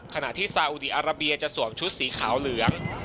ขณะที่ซาอุดีอาราเบียจะสวมชุดสีขาวเหลือง